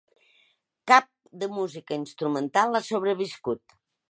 Cap de música instrumental ha sobreviscut.